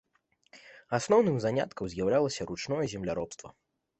Асноўным заняткам з'яўлялася ручное земляробства.